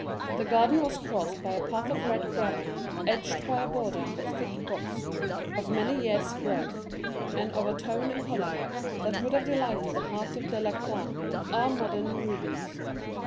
The garden was crossed by a path of red gravel, edged by a border of thick box, of many years' growth, and of a tone and color that would have delighted the heart of Delacroix, our modern Rubens.